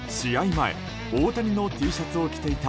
前大谷のＴシャツを着ていた